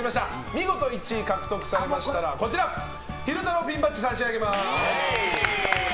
見事１位を獲得されましたら昼太郎ピンバッジを差し上げます。